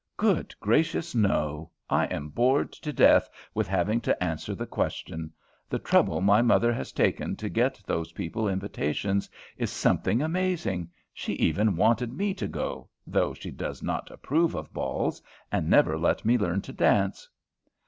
"Good gracious, no! I am bored to death with having to answer the question. The trouble my mother has taken to get those people invitations is something amazing. She even wanted me to go, though she does not approve of balls, and never let me learn to dance."